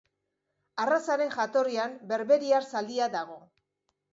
Arrazaren jatorrian berberiar zaldia dago.